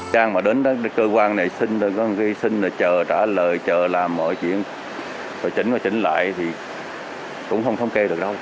trang mà đến cơ quan này xin là chờ trả lời chờ làm mọi chuyện rồi chỉnh và chỉnh lại thì cũng không thống kê được đâu